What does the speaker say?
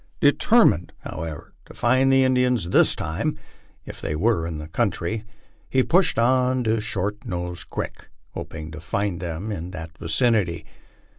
Determined, however, to find the Indians this time, if they were in the country, he pushed on to Short Nose creek, hoping to find them in that vicinity.